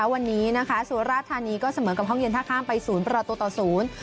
วันนี้สวรรษฐานีก็เสมอกับห้องเย็นท่าข้ามไป๐ประระตูต่อ๐